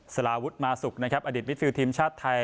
สลาวุธมาสุกอดีตวิชฟิลต์ทีมชาติไทย